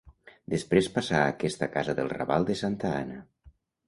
Després passà a aquesta casa del raval de santa Anna.